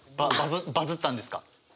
バズったんですか？